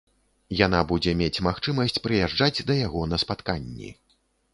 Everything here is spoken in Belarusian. Яна будзе мець магчымасць прыязджаць да яго на спатканні.